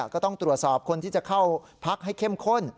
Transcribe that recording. ก็ต้องตรวจสอบคนที่จะเข้าพักให้เข้มข้น